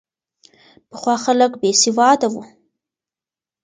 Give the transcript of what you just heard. پخوا خلک بې سواده وو.